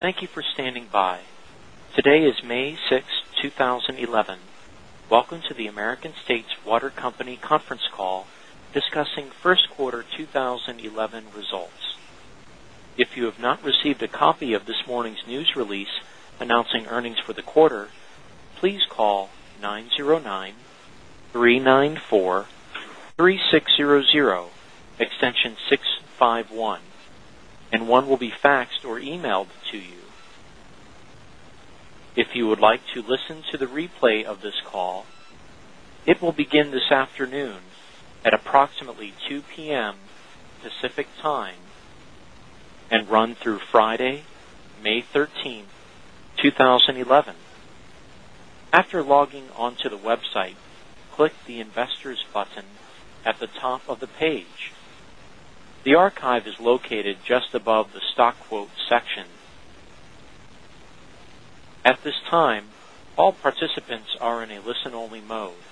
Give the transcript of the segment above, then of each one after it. Thank you for standing by. Today is May 6th, 2011. Welcome to the American States Water Company conference call discussing first quarter 2011 results. If you have not received a copy of this morning's news release announcing earnings for the quarter, please call 909-394-3600, extension 651, and one will be faxed or emailed to you. If you would like to listen to the replay of this call, it will begin this afternoon at approximately 2:00 P.M. Pacific Time and run through Friday, May 13th, 2011. After logging onto the website, click the Investors button at the top of the page. The archive is located just above the stock quote section. At this time, all participants are in a listen-only mode.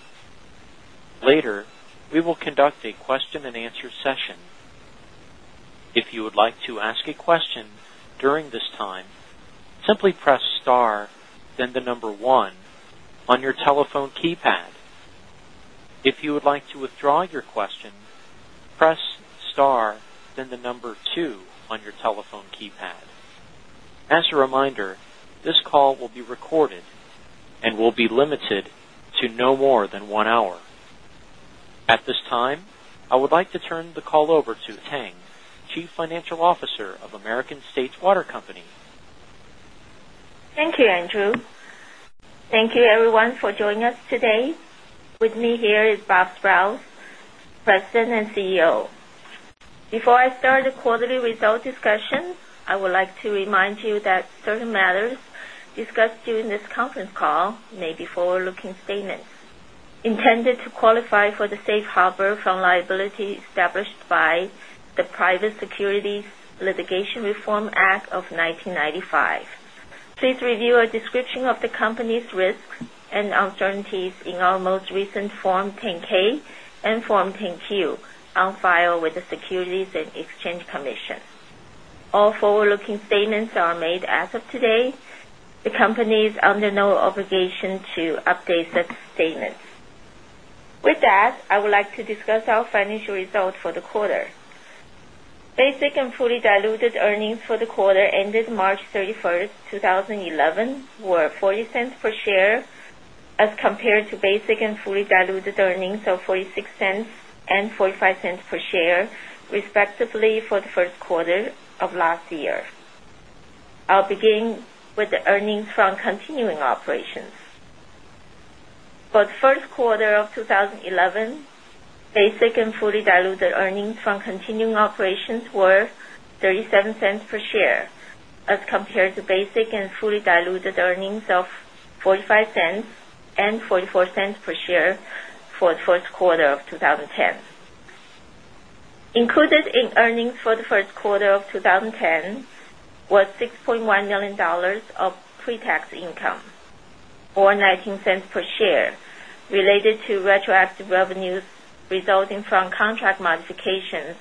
Later, we will conduct a question and answer session. If you would like to ask a question during this time, simply press star, then the number one on your telephone keypad. If you would like to withdraw your question, press star, then the number two on your telephone keypad. As a reminder, this call will be recorded and will be limited to no more than one hour. At this time, I would like to turn the call over to Eva Tang, Chief Financial Officer of American States Water Company. Thank you, Andrew. Thank you, everyone, for joining us today. With me here is Robert Sprowls, President and CEO. Before I start the quarterly result discussion, I would like to remind you that certain matters discussed during this conference call may be forward-looking statements intended to qualify for the safe harbor from liability established by the Private Securities Litigation Reform Act of 1995. Please review a description of the company's risks and uncertainties in our most recent Form 10-K and Form 10-Q on file with the Securities and Exchange Commission. All forward-looking statements are made as of today. The company is under no obligation to update such statements. With that, I would like to discuss our financial results for the quarter. Basic and fully diluted earnings for the quarter ended March 31, 2011, were $0.40 per share as compared to basic and fully diluted earnings of $0.46 and $0.45 per share, respectively, for the first quarter of last year. I'll begin with the earnings from continuing operations. For the first quarter of 2011, basic and fully diluted earnings from continuing operations were $0.37 per share as compared to basic and fully diluted earnings of $0.45 and $0.44 per share for the first quarter of 2010. Included in earnings for the first quarter of 2010 was $6.1 million of pre-tax income, or $0.19 per share, related to retroactive revenues resulting from contract modifications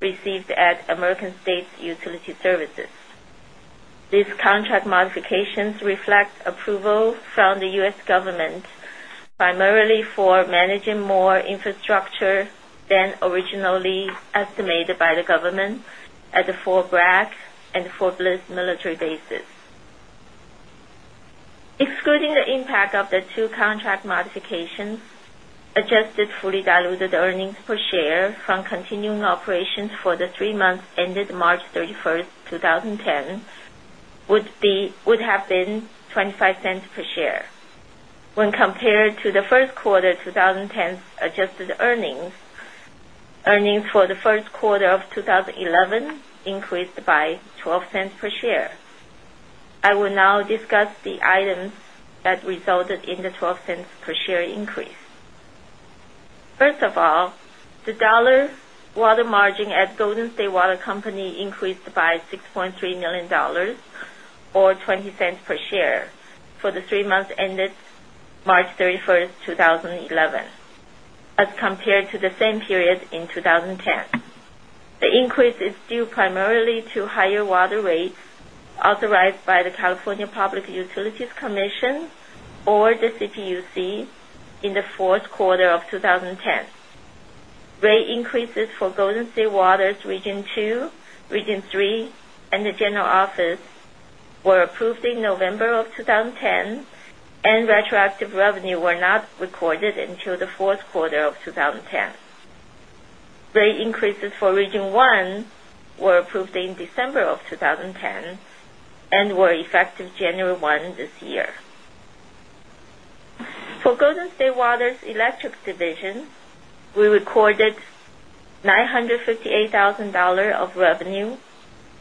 received at American States Utility Services. These contract modifications reflect approval from the U.S. government primarily for managing more infrastructure than originally estimated by the government at the Fort Bragg and Fort Bliss military bases. Excluding the impact of the two contract modifications, adjusted fully diluted earnings per share from continuing operations for the three months ended March 31, 2010, would have been $0.25 per share. When compared to the first quarter of 2010's adjusted earnings, earnings for the first quarter of 2011 increased by $0.12 per share. I will now discuss the items that resulted in the $0.12 per share increase. First of all, the dollar water margin at Golden State Water Company increased by $6.3 million, or $0.20 per share, for the three months ended March 31, 2011, as compared to the same period in 2010. The increase is due primarily to higher water rates authorized by the California Public Utilities Commission, or the CPUC, in the fourth quarter of 2010. Rate increases for Golden State Water Company's Region 2, Region 3, and the General Office were approved in November of 2010, and retroactive revenue were not recorded until the fourth quarter of 2010. Rate increases for Region 1 were approved in December of 2010 and were effective January 1 this year. For Golden State Water Company's Electric Division, we recorded $958,000 of revenue,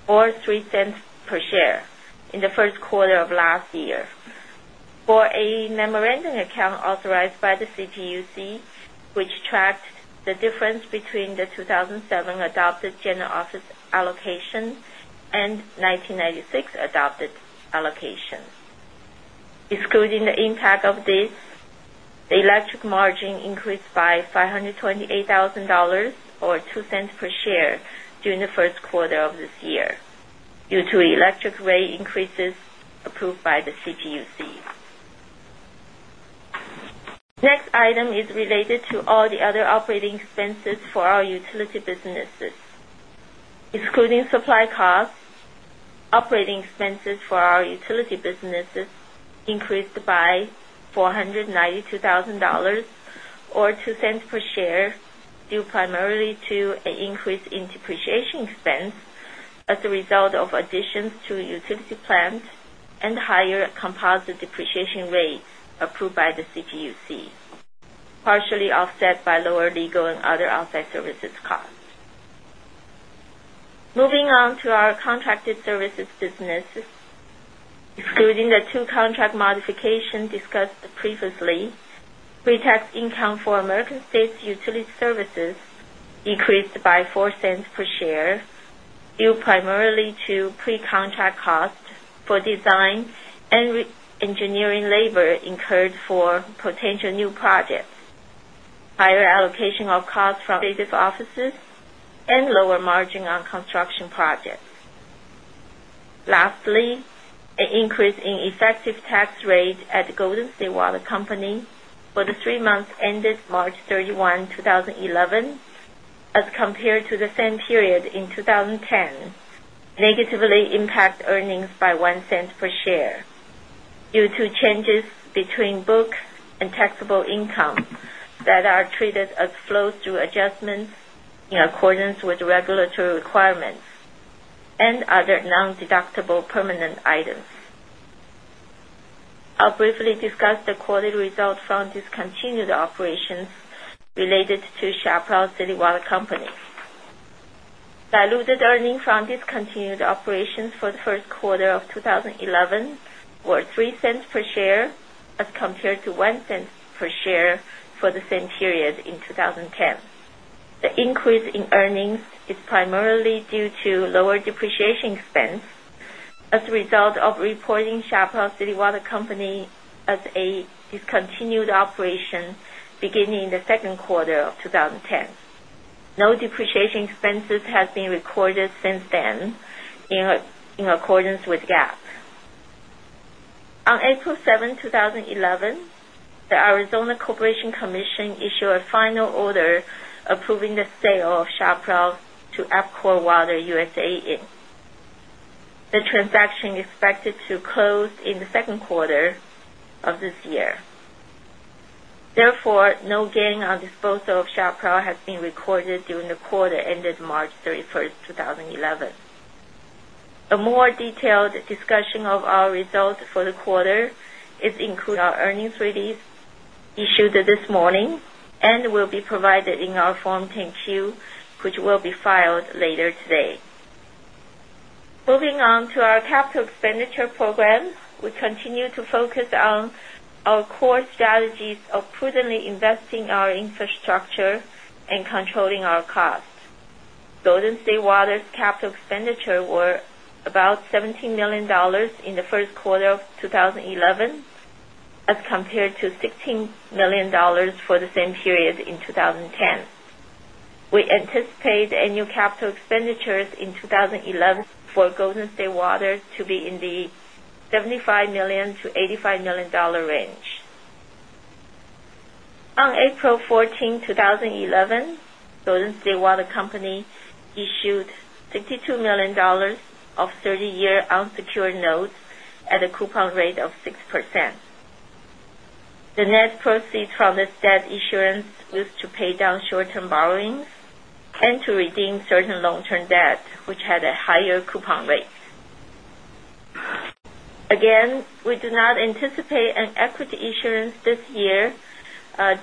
or $0.03 per share, in the first quarter of last year for a memorandum account authorized by the CPUC, which tracks the difference between the 2007 adopted General Office allocation and 1996 adopted allocation. Excluding the impact of this, the electric margin increased by $528,000, or $0.02 per share, during the first quarter of this year due to electric rate increases approved by the CPUC. Next item is related to all the other operating expenses for our utility businesses. Excluding supply costs, operating expenses for our utility businesses increased by $492,000, or $0.02 per share, due primarily to an increase in depreciation expense as a result of additions to the utility plant and higher composite depreciation rate approved by the CPUC, partially offset by lower legal and other offsite services costs. Moving on to our contracted services business, excluding the two contract modifications discussed previously, pre-tax income for American States Utility Services increased by $0.04 per share, due primarily to pre-contract costs for design and engineering labor incurred for potential new projects, higher allocation of costs from business offices, and lower margin on construction projects. Lastly, an increase in effective tax rate at the Golden State Water Company for the three months ended March 31, 2011, as compared to the same period in 2010, negatively impacted earnings by $0.01 per share due to changes between books and taxable income that are treated as flows through adjustments in accordance with regulatory requirements and other non-deductible permanent items. I'll briefly discuss the quarterly result from discontinued operations related to Chaparral City Water Company. Diluted earnings from discontinued operations for the first quarter of 2011 were $0.03 per share as compared to $0.01 per share for the same period in 2010. The increase in earnings is primarily due to lower depreciation expense as a result of reporting Chaparral City Water Company as a discontinued operation beginning in the second quarter of 2010. No depreciation expenses have been recorded since then in accordance with GAAP. On April 7, 2011, the Arizona Corporation Commission issued a final order approving the sale of Chaparral City Water Company to EPCOR Water USA. The transaction is expected to close in the second quarter of this year. Therefore, no gain on disposal of Chaparral City Water Company has been recorded during the quarter ended March 31, 2011. A more detailed discussion of our results for the quarter is included in our earnings release issued this morning and will be provided in our Form 10-Q, which will be filed later today. Moving on to our capital expenditure program, we continue to focus on our core strategies of prudently investing in our infrastructure and controlling our costs. Golden State Water Company's capital expenditure was about $17 million in the first quarter of 2011 as compared to $16 million for the same period in 2010. We anticipate annual capital expenditures in 2011 for Golden State Water Company to be in the $75 million to $85 million range. On April 14, 2011, Golden State Water Company issued $62 million of 30-year unsecured notes at a coupon rate of 6%. The net proceeds from this debt issuance were used to pay down short-term borrowings and to redeem certain long-term debt, which had a higher coupon rate. Again, we do not anticipate an equity issuance this year,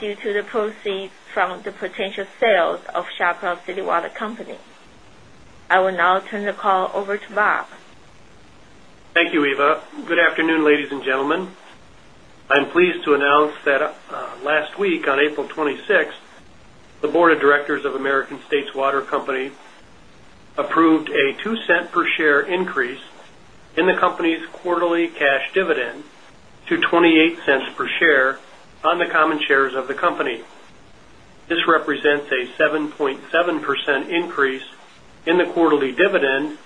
due to the proceeds from the potential sale of Chaparral City Water Company. I will now turn the call over to Rob. Thank you, Eva. Good afternoon, ladies and gentlemen. I'm pleased to announce that, last week on April 26, the Board of Directors of American States Water Company approved a $0.02 per share increase in the company's quarterly cash dividend to $0.28 per share on the common shares of the company. This represents a 7.7% increase in the quarterly dividend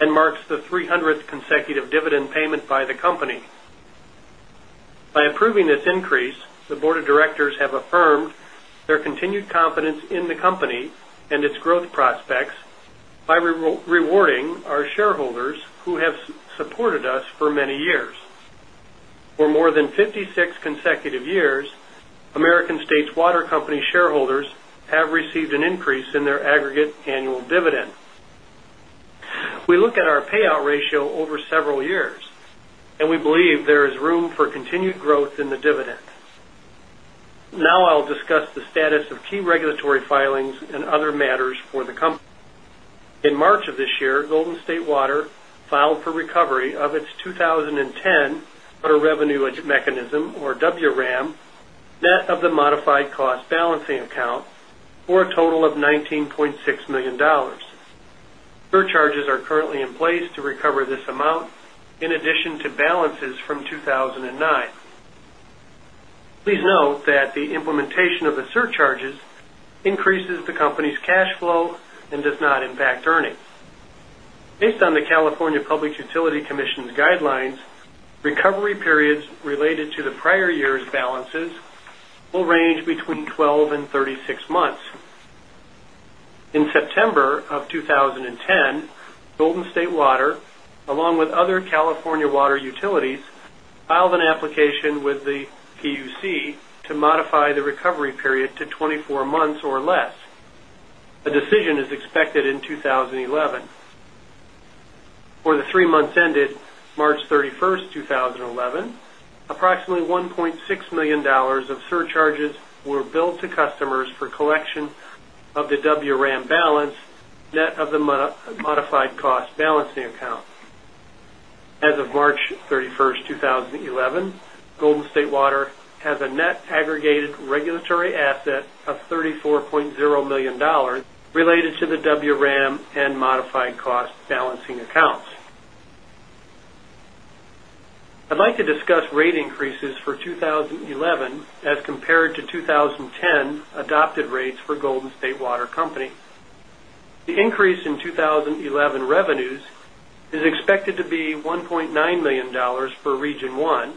and marks the 300th consecutive dividend payment by the company. By approving this increase, the Board of Directors have affirmed their continued confidence in the company and its growth prospects by rewarding our shareholders who have supported us for many years. For more than 56 consecutive years, American States Water Company shareholders have received an increase in their aggregate annual dividend. We look at our payout ratio over several years, and we believe there is room for continued growth in the dividend. Now I'll discuss the status of key regulatory filings and other matters for the company. In March of this year, Golden State Water Company filed for recovery of its 2010 Water Revenue Adjustment Mechanism, or WRAM, net of the Modified Cost Balancing Account for a total of $19.6 million. Surcharges are currently in place to recover this amount in addition to balances from 2009. Please note that the implementation of the surcharges increases the company's cash flow and does not impact earnings. Based on the California Public Utilities Commission's guidelines, recovery periods related to the prior year's balances will range between 12 and 36 months. In September 2010, Golden State Water Company, along with other California water utilities, filed an application with the CPUC to modify the recovery period to 24 months or less. A decision is expected in 2011. For the three months ended March 31, 2011, approximately $1.6 million of surcharges were billed to customers for collection of the WRAM balance net of the Modified Cost Balancing Account. As of March 31, 2011, Golden State Water Company has a net aggregated regulatory asset of $34.0 million related to the WRAM and Modified Cost Balancing Accounts. I'd like to discuss rate increases for 2011 as compared to 2010 adopted rates for Golden State Water Company. The increase in 2011 revenues is expected to be $1.9 million for Region 1,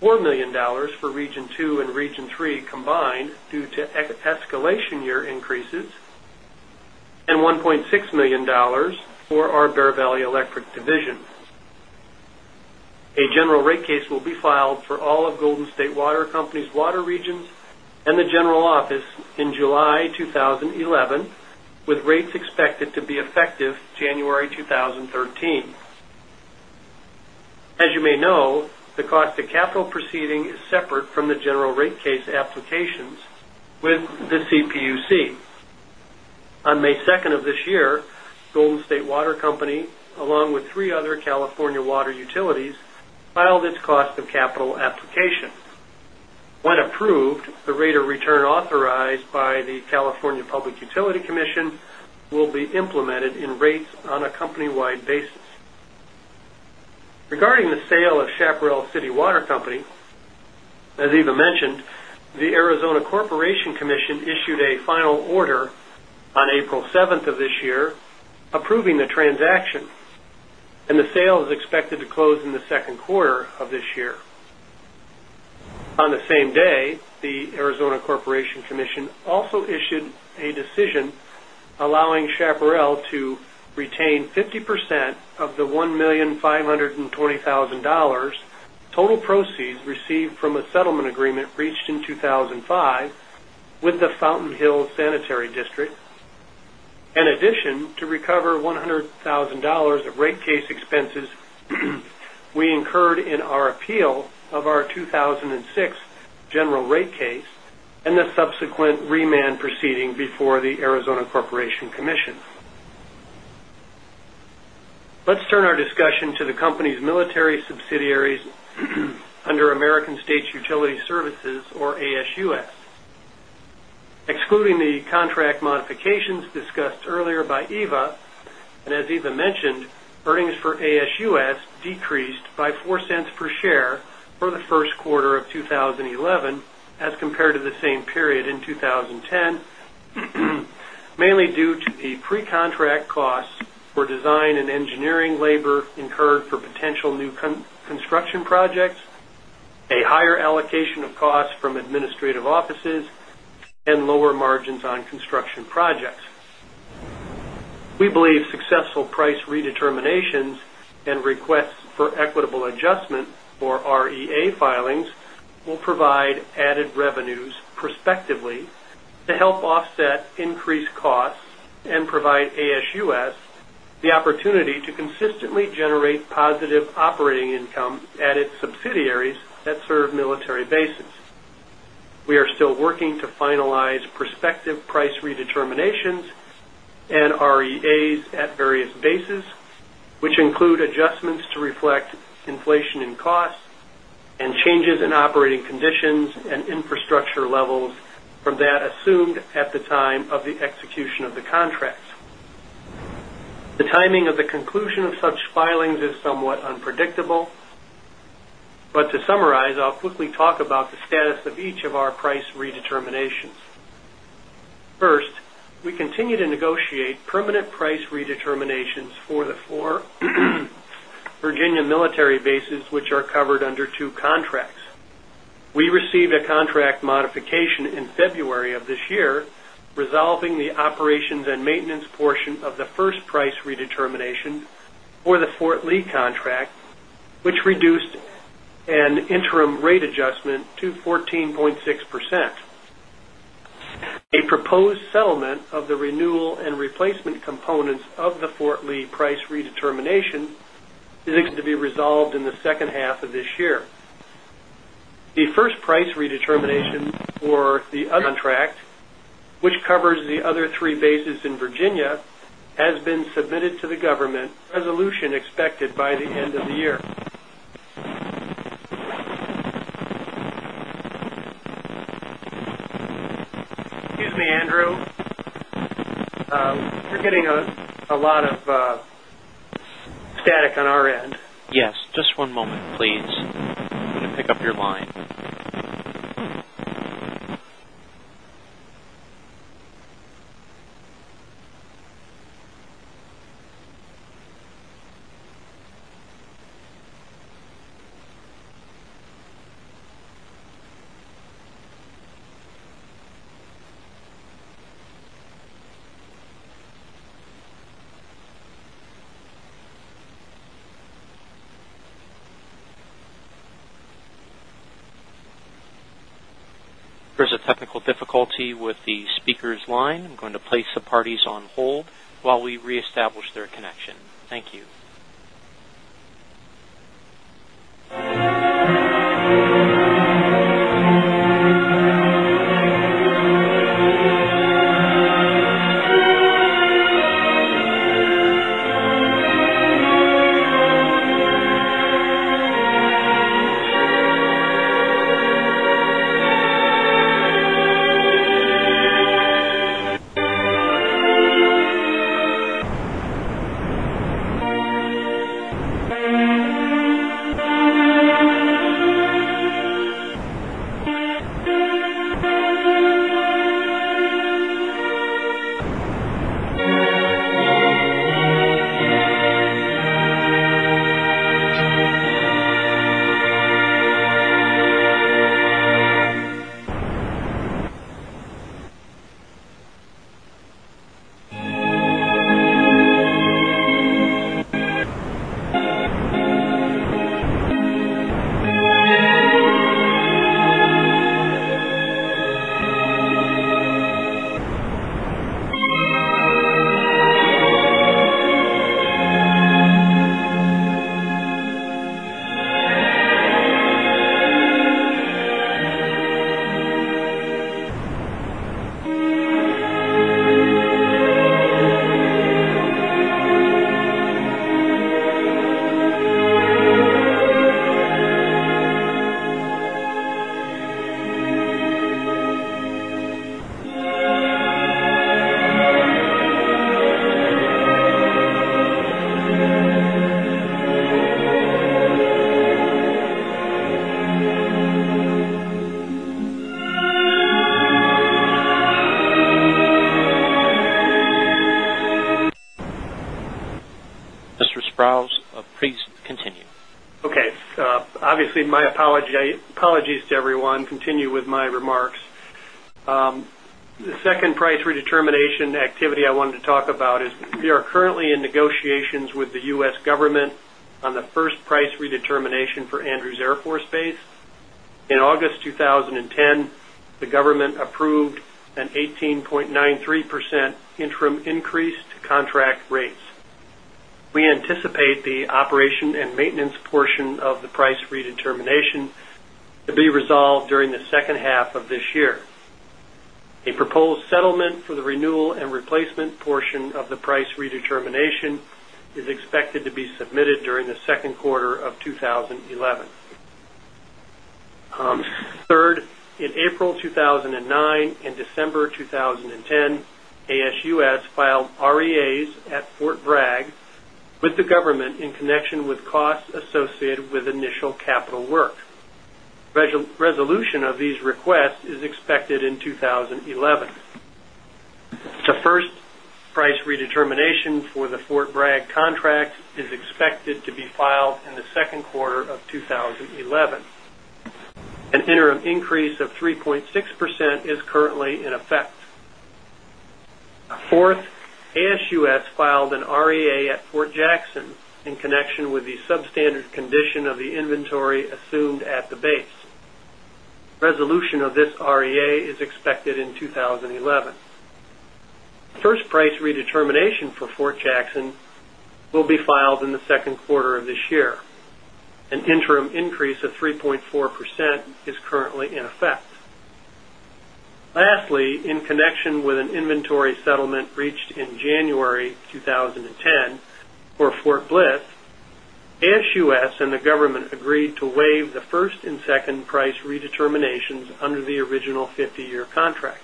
$4 million for Region 2 and Region 3 combined due to escalation year increases, and $1.6 million for our Bear Valley Electric Division. A general rate case will be filed for all of Golden State Water Company's water regions and the General Office in July 2011, with rates expected to be effective January 2013. As you may know, the cost of capital proceeding is separate from the general rate case applications with the CPUC. On May 2 of this year, Golden State Water Company, along with three other California water utilities, filed its cost of capital application. When approved, the rate of return authorized by the California Public Utilities Commission will be implemented in rates on a company-wide basis. Regarding the sale of Chaparral City Water Company, as Eva mentioned, the Arizona Corporation Commission issued a final order on April 7 of this year approving the transaction, and the sale is expected to close in the second quarter of this year. On the same day, the Arizona Corporation Commission also issued a decision allowing Chaparral to retain 50% of the $1,520,000 million total proceeds received from a settlement agreement reached in 2005 with the Fountain Hills Sanitary District, in addition to recovering $100,000 of rate case expenses we incurred in our appeal of our 2006 general rate case and the subsequent remand proceeding before the Arizona Corporation Commission. Let's turn our discussion to the company's military subsidiaries under American States Utility Services, or ASUS. Excluding the contract modifications discussed earlier by Eva, and as Eva mentioned, earnings for ASUS decreased by $0.04 per share for the first quarter of 2011 as compared to the same period in 2010, mainly due to the pre-contract costs for design and engineering labor incurred for potential new construction projects, a higher allocation of costs from administrative offices, and lower margins on construction projects. We believe successful price redeterminations and Requests for Equitable Adjustment for REA filings will provide added revenues prospectively to help offset increased costs and provide ASUS the opportunity to consistently generate positive operating income at its subsidiaries that serve military bases. We are still working to finalize prospective price redeterminations and REAs at various bases, which include adjustments to reflect inflation in costs and changes in operating conditions and infrastructure levels from that assumed at the time of the execution of the contracts. The timing of the conclusion of such filings is somewhat unpredictable, but to summarize, I'll quickly talk about the status of each of our price redeterminations. First, we continue to negotiate permanent price redeterminations for the four Virginia military bases which are covered under two contracts. We received a contract modification in February of this year resolving the operations and maintenance portion of the first price redetermination for the Fort Lee contract, which reduced an interim rate adjustment to 14.6%. A proposed settlement of the renewal and replacement components of the Fort Lee price redetermination is expected to be resolved in the second half of this year. The first price redetermination for the other contract, which covers the other three bases in Virginia, has been submitted to the government, resolution expected by the end of the year. Excuse me, Andrew. You're getting a lot of static on our end. Yes. Just one moment, please. There is a technical difficulty with the speaker's line. I'm going to place the parties on hold while we reestablish their connection. Thank you. Mr. Sprowls, please continue. Okay. Obviously, my apologies to everyone. Continue with my remarks. The second price redetermination activity I wanted to talk about is we are currently in negotiations with the U.S. government on the first price redetermination for Andrews Air Force Base. In August 2010, the government approved an 18.93% interim increase to contract rates. We anticipate the operation and maintenance portion of the price redetermination to be resolved during the second half of this year. A proposed settlement for the renewal and replacement portion of the price redetermination is expected to be submitted during the second quarter of 2011. Third, in April 2009 and December 2010, American States Utility Services filed REAs at Fort Bragg with the government in connection with costs associated with initial capital work. Resolution of these requests is expected in 2011. The first price redetermination for the Fort Bragg contract is expected to be filed in the second quarter of 2011. An interim increase of 3.6% is currently in effect. Fourth, American States Utility Services filed an REA at Fort Jackson in connection with the substandard condition of the inventory assumed at the base. Resolution of this REA is expected in 2011. The first price redetermination for Fort Jackson will be filed in the second quarter of this year. An interim increase of 3.4% is currently in effect. Lastly, in connection with an inventory settlement reached in January 2010 for Fort Bliss, American States Utility Services and the government agreed to waive the first and second price redeterminations under the original 50-year contract.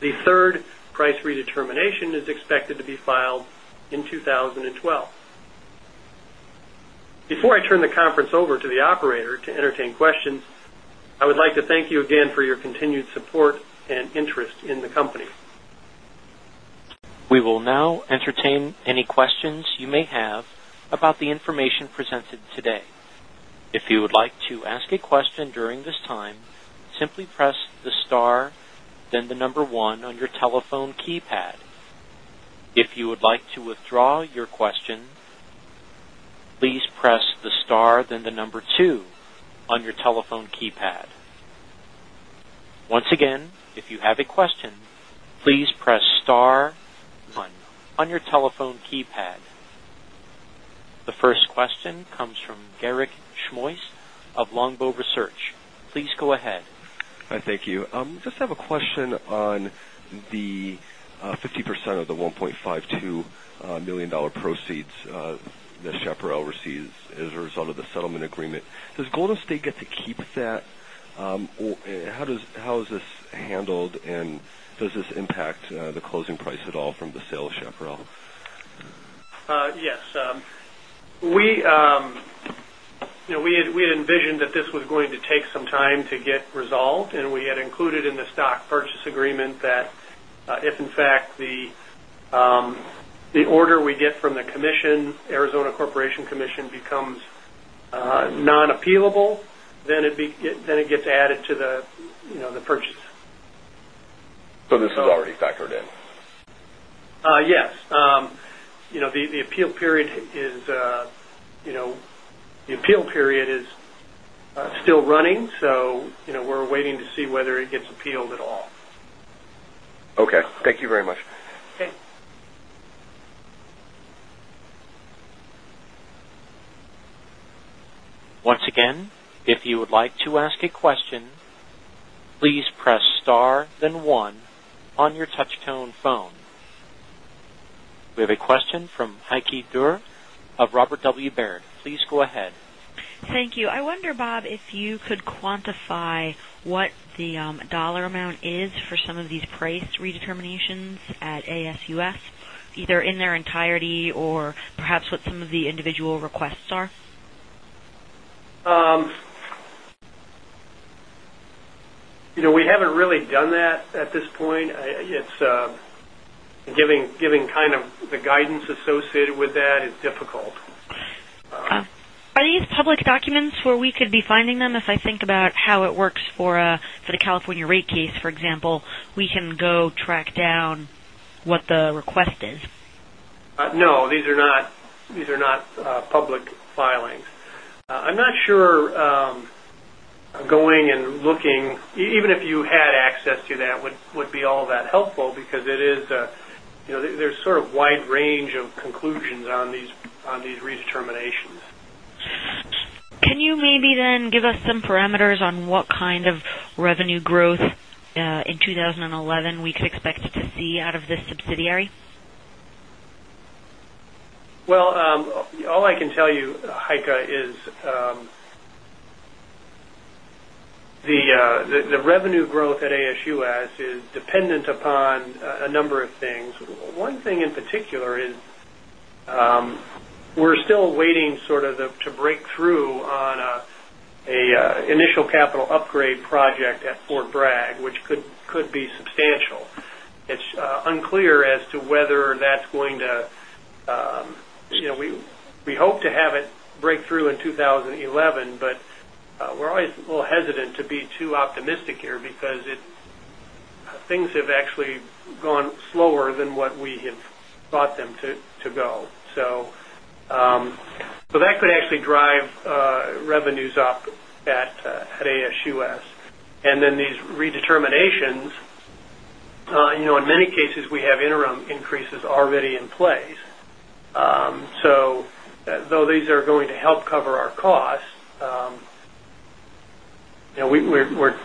The third price redetermination is expected to be filed in 2012. Before I turn the conference over to the operator to entertain questions, I would like to thank you again for your continued support and interest in the company. We will now entertain any questions you may have about the information presented today. If you would like to ask a question during this time, simply press the star, then the number one on your telephone keypad. If you would like to withdraw your question, please press the star, then the number two on your telephone keypad. Once again, if you have a question, please press star one on your telephone keypad. The first question comes from Garrick Schmois of Longbow Research. Please go ahead. Hi. Thank you. I just have a question on the 50% of the $1.52 million proceeds that Chaparral receives as a result of the settlement agreement. Does Golden State get to keep that, or how is this handled, and does this impact the closing price at all from the sale of Chaparral? Yes. We had envisioned that this was going to take some time to get resolved, and we had included in the stock purchase agreement that if, in fact, the order we get from the Arizona Corporation Commission becomes non-appealable, then it gets added to the purchase. Is this already factored in? Yes, the appeal period is still running, so we're waiting to see whether it gets appealed at all. Okay, thank you very much. Once again, if you would like to ask a question, please press star, then one on your touch-tone phone. We have a question from Heike Durr of Robert W. Baird. Please go ahead. Thank you. I wonder, Bob, if you could quantify what the dollar amount is for some of these price redeterminations at ASUS, either in their entirety or perhaps what some of the individual requests are? We haven't really done that at this point. Giving kind of the guidance associated with that is difficult. Are these public documents where we could be finding them? If I think about how it works for the California rate case, for example, we can go track down what the request is. No. These are not public filings. I'm not sure going and looking, even if you had access to that, would be all that helpful because it is, you know, there's sort of a wide range of conclusions on these redeterminations. Can you maybe then give us some parameters on what kind of revenue growth in 2011 we could expect to see out of this subsidiary? All I can tell you, Heike, is the revenue growth at ASUS is dependent upon a number of things. One thing in particular is we're still waiting to break through on an initial capital upgrade project at Fort Bragg, which could be substantial. It's unclear as to whether that's going to, you know, we hope to have it break through in 2011, but we're always a little hesitant to be too optimistic here because things have actually gone slower than what we have thought them to go. That could actually drive revenues up at ASUS. These redeterminations, you know, in many cases, we have interim increases already in place. Though these are going to help cover our costs, you know, we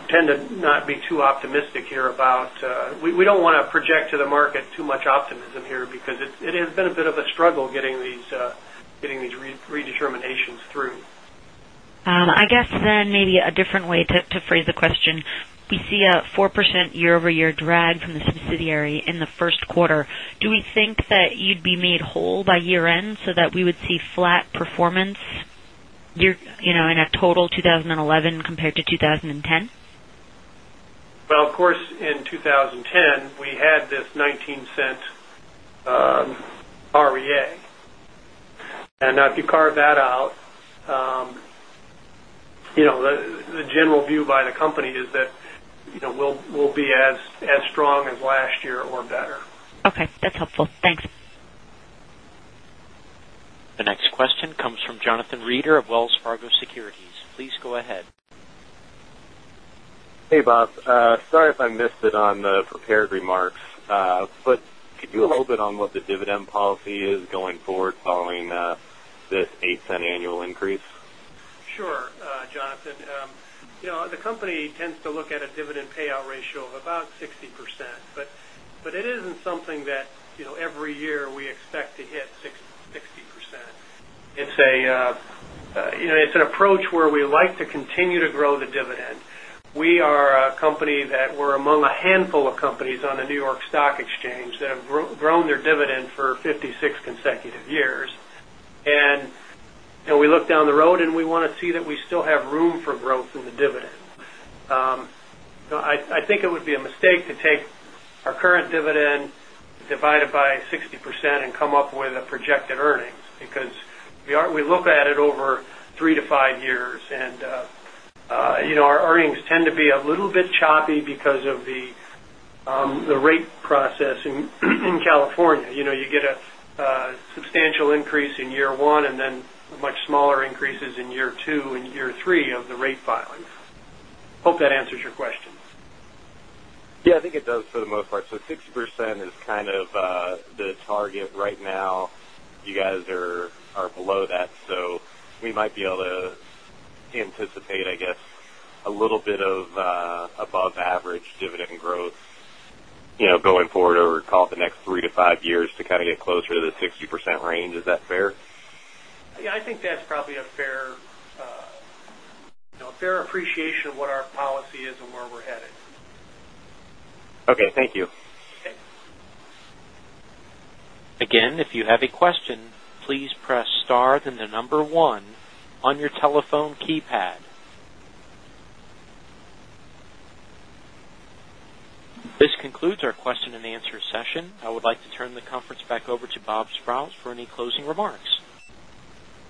tend to not be too optimistic here about, we don't want to project to the market too much optimism here because it has been a bit of a struggle getting these redeterminations through. I guess then maybe a different way to phrase the question. We see a 4% year-over-year drag from the subsidiary in the first quarter. Do we think that you'd be made whole by year-end so that we would see flat performance in a total 2011 compared to 2010? In 2010, we had this $0.19 REA. If you carve that out, the general view by the company is that we'll be as strong as last year or better. Okay, that's helpful. Thanks. The next question comes from Jonathan Reeder of Wells Fargo. Please go ahead. Hey, Bob. Sorry if I missed it on the prepared remarks, but could you elaborate on what the dividend policy is going forward following this $0.08 annual increase? Sure, Jonathan. The company tends to look at a dividend payout ratio of about 60%, but it isn't something that every year we expect to hit 60%. It's an approach where we like to continue to grow the dividend. We are a company that we're among a handful of companies on the New York Stock Exchange that have grown their dividend for 56 consecutive years. We look down the road, and we want to see that we still have room for growth in the dividend. I think it would be a mistake to take our current dividend divided by 60% and come up with the projected earnings because we look at it over three to five years, and our earnings tend to be a little bit choppy because of the rate process in California. You get a substantial increase in year one and then much smaller increases in year two and year three of the rate filing. Hope that answers your questions. I think it does for the most part. 60% is kind of the target right now. You guys are below that. We might be able to anticipate, I guess, a little bit of above-average dividend growth going forward over, call it, the next three to five years to kind of get closer to the 60% range. Is that fair? I think that's probably a fair appreciation of what our policy is and where we're headed. Okay, thank you. Again, if you have a question, please press star, then the number one on your telephone keypad. This concludes our question and answer session. I would like to turn the conference back over to Robert Sprowls for any closing remarks.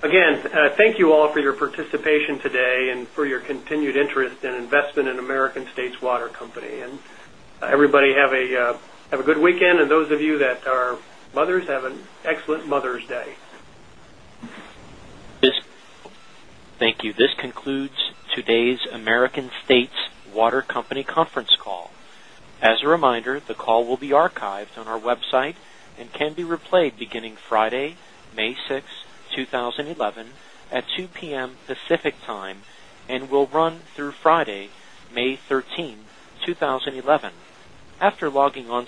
Again, thank you all for your participation today and for your continued interest in investment in American States Water Company. Everybody have a good weekend, and those of you that are mothers have an excellent Mother's Day. Thank you. This concludes today's American States Water Company conference call. As a reminder, the call will be archived on our website and can be replayed beginning Friday, May 6, 2011, at 2:00 P.M. Pacific Time and will run through Friday, May 13, 2011, after logging on.